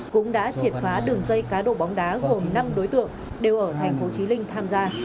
cũng đã triệt phá đường dây cá độ bóng đá gồm năm đối tượng đều ở thành phố trí linh tham gia